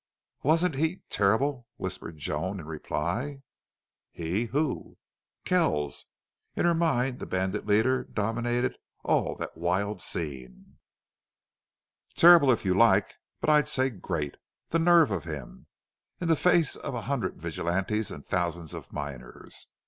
"Wasn't he terrible!" whispered Joan in reply. "He! Who?" "Kells." In her mind the bandit leader dominated all that wild scene. "Terrible, if you like. But I'd say great!... The nerve of him! In the face of a hundred vigilantes and thousands of miners!